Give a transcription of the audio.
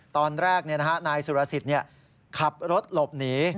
ตอนแรกเนี่ยนะคะนายสุรสิตเนี่ยขับรถหลบหนี